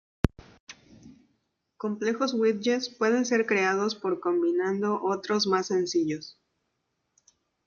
Complejos widgets pueden ser creados por combinando otros más sencillos.